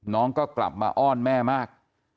น้องก็กลับมาอ้อนแม่มาก